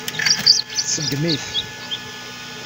Tseggem-it.